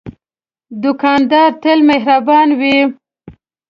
دوکاندار تل مهربان وي.